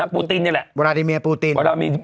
ปูตินเนี่ยแหละ